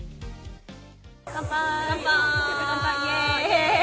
乾杯。